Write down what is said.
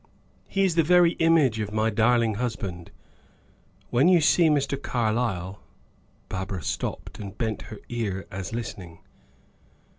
"He is the very image of my darling husband. When you see Mr. Carlyle " Barbara stopped, and bent her ear, as listening.